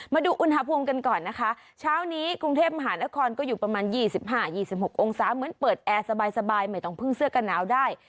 มาดูอุณหภูมิกันก่อนนะคะเช้านี้กรุงเทพมหานครก็อยู่ประมาณ๒๕๒๖องศาเหมือนเปิดแอร์สบายไม่ต้องพึ่งเสื้อกันหนาวได้